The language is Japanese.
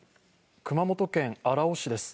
熊本県荒尾市です。